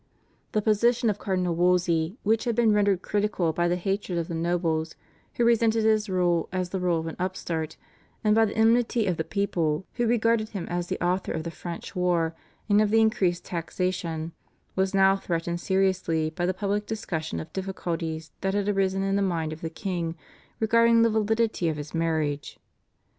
The position of Cardinal Wolsey, which had been rendered critical by the hatred of the nobles, who resented his rule as the rule of an upstart, and by the enmity of the people, who regarded him as the author of the French war and of the increased taxation, was now threatened seriously by the public discussion of difficulties that had arisen in the mind of the king regarding the validity of his marriage.